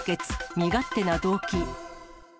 身勝手な動機。